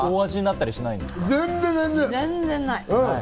全然ない。